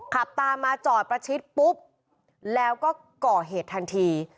ขับตามมาจอดประชิดปุ๊บแล้วก็ก่อเหตุทันที